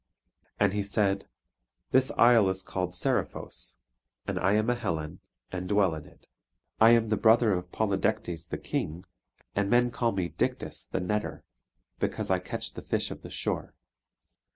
And he said, "This isle is called Seriphos, and I am a Hellen, and dwell in it. I am the brother of Polydectes the King; and men call me Dictys the netter, because I catch the fish of the shore."